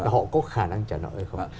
họ có khả năng trả nợ hay không